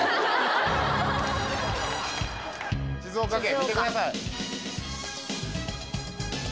静岡県見てください。